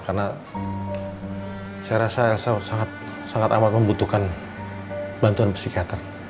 karena saya rasa elsa sangat amat membutuhkan bantuan psikiater